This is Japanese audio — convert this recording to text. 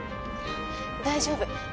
大丈夫。